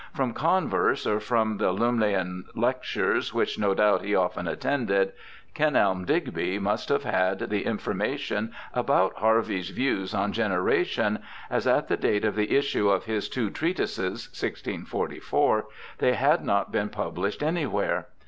From converse or from the Lumleian lectures, which no doubt he often attended, Kenelm Digby must have had the information about Harvey's views on generation, as at the date of the issue of his Tivo Treatises, 1644, ^^ey had not been published anywhere.